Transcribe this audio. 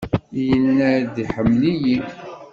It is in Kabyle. Yenna-d iḥemmel-iyi.